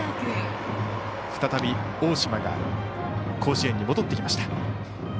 再び、大島が甲子園に戻ってきました。